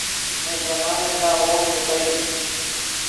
نے جمالن ݱا وو ام لے تو ایست